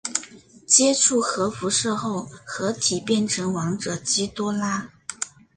接触核辐射后合体变成王者基多拉。